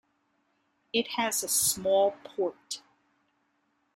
It has a small port.